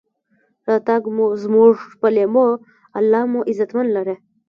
راتګ مو زمونږ پۀ لېمو، الله ج مو عزتمن لره.